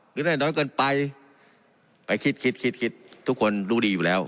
หรือได้น้อยเกินไปไปคิดคิดคิดคิดทุกคนรู้ดีอยู่แล้ว